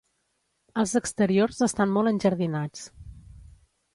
Els exteriors estan molt enjardinats.